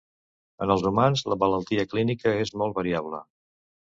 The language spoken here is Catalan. En els humans, la malaltia clínica és molt variable.